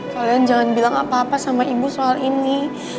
kalian jangan bilang apa apa sama ibu soal ini